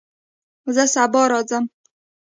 زه سبا راځم